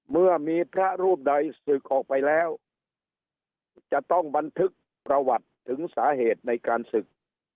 เมื่อมีพระรูปใดศึกออกไปแล้วจะต้องบันทึกประวัติถึงสาเหตุในการศึก